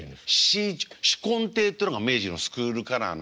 紫紺亭ってのが明治のスクールカラーなんです。